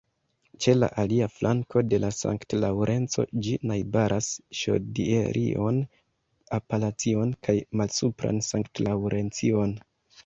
Ĉe la alia flanko de la Sankt-Laŭrenco, ĝi najbaras Ŝodierion-Apalaĉion kaj Malsupran Sankt-Laŭrencion.